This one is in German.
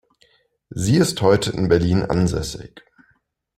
Sie ist heute in Berlin ansässig.